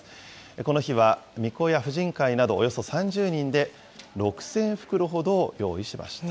この日は、みこや婦人会などおよそ３０人で６０００袋ほどを用意しました。